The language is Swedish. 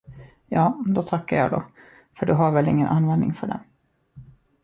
Ja, då tackar jag då, för du har väl ingen användning för den.